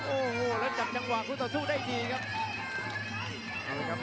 โอ้โหแล้วจับจังหวะคู่ต่อสู้ได้ดีครับ